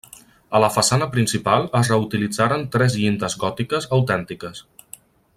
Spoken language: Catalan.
A la façana principal es reutilitzaren tres llindes gòtiques autèntiques.